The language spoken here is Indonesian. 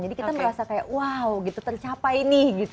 jadi kita merasa kayak wow gitu tercapai nih gitu loh